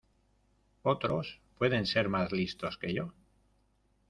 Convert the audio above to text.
Otros pueden ser más listos que yo.